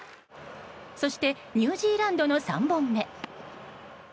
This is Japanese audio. そして、ニュージーランドの３番目。